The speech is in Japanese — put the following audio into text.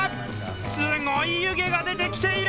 すごい湯気が出てきている！